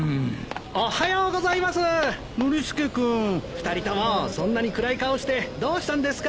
２人ともそんなに暗い顔してどうしたんですか？